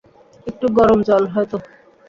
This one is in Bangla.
একটু গরম জল, হয়তো?